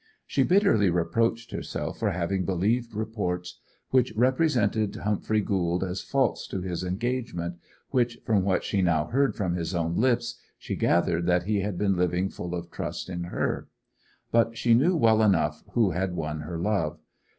She bitterly reproached herself for having believed reports which represented Humphrey Gould as false to his engagement, when, from what she now heard from his own lips, she gathered that he had been living full of trust in her. But she knew well enough who had won her love.